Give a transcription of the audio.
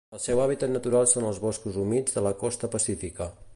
El seu hàbitat natural són els boscos humits de la costa pacífica.